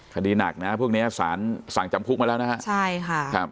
คดีหนักนะพวกนี้สารสั่งจำคลุกมาแล้วนะครับ